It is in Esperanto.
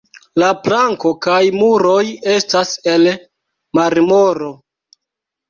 La planko kaj muroj estas el marmoro.